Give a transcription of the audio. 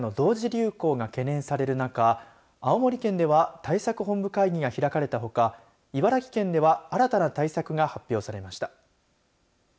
流行が懸念される中、青森県では対策本部会議が開かれたほか茨城県では新たな対策が発表されました。